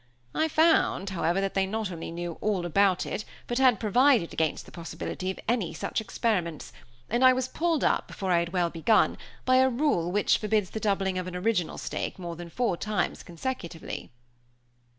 I found, however, that they not only knew all about it, but had provided against the possibility of any such experiments; and I was pulled up before I had well begun by a rule which forbids the doubling of an original stake more than four times consecutively."